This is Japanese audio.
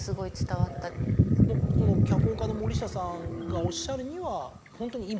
脚本家の森下さんがおっしゃるには。